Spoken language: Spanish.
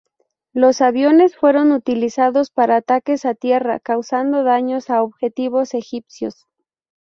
Los aviones fueron utilizados para ataques a tierra causando daños a objetivos egipcios.